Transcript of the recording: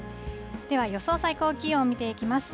では、予想最高気温見ていきます。